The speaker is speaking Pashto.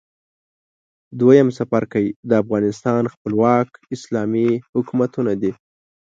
دویم څپرکی د افغانستان خپلواک اسلامي حکومتونه دي.